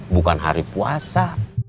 bukan hari puasa